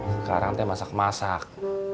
sekarang itu masak masak